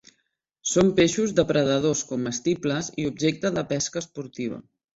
Són peixos depredadors comestibles i objecte de pesca esportiva.